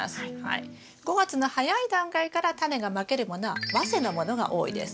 ５月の早い段階からタネがまけるものは早生のものが多いです。